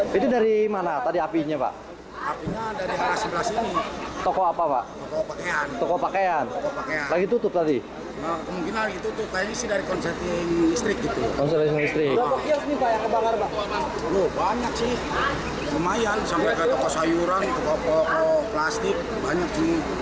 banyak sih lumayan sampai ke toko sayuran toko plastik banyak sih